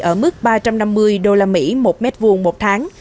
ở mức ba trăm năm mươi usd một m hai một tháng